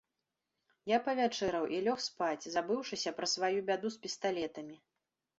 Я павячэраў і лёг спаць, забыўшыся пра сваю бяду з пісталетамі.